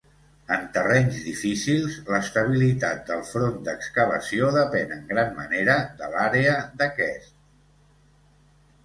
En terrenys difícils, l'estabilitat del front d'excavació depèn en gran manera de l'àrea d'aquest.